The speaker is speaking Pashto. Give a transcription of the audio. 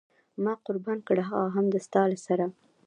ما قربان کړ هغه هم د ستا له سره.